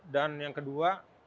dan yang kedua